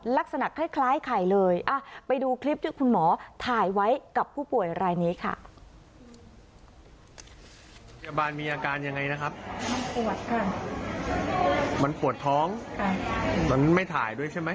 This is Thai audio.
ลักษณะคล้ายไข่เลยไปดูคลิปที่คุณหมอถ่ายไว้กับผู้ป่วยรายนี้ค่ะ